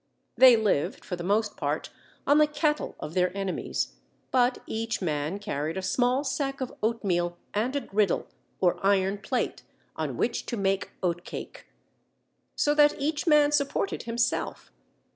They lived for the most part on the cattle of their enemies, but each man carried a small sack of oatmeal and a griddle, or iron plate, on which to make oatcake. So that each man supported himself.